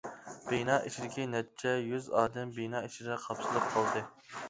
بىنا ئىچىدىكى نەچچە يۈز ئادەم بىنا ئىچىدە قاپسىلىپ قالدى.